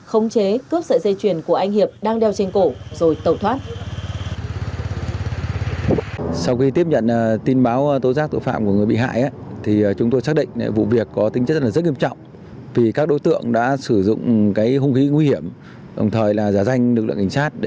khống chế cướp sợi dây chuyền của anh hiệp đang đeo trên cổ rồi tẩu thoát